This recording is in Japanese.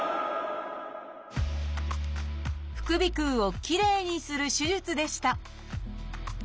副鼻腔をきれいにする手術でした。